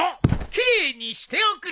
奇麗にしておくれ。